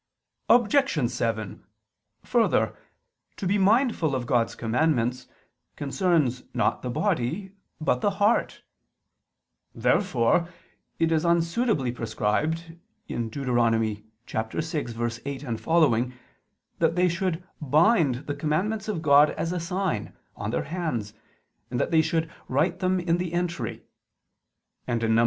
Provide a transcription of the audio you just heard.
Obj. 7: Further, to be mindful of God's commandments concerns not the body but the heart. Therefore it is unsuitably prescribed (Deut. 6:8, seqq.) that they should "bind" the commandments of God "as a sign" on their hands; and that they should "write them in the entry"; and (Num.